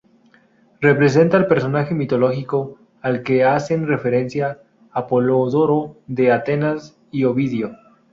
Representa al personaje mitológico al que hacen referencia Apolodoro de Atenas y Ovidio.